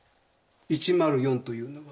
「１０４」というのは？